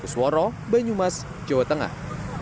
suro banyumas jawa tengah